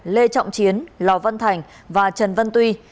lê trọng chiến lò văn thành và trần văn tuy